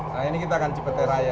nah ini kita akan cipetir raya